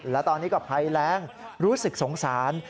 และตอนนี้ก็ภัยแรงรู้สึกสงสาร